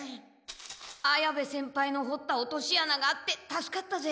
綾部先輩のほった落としあながあって助かったぜ。